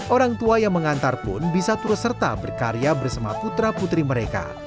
orang tua yang mengantar pun bisa terus serta berkarya bersama putra putri mereka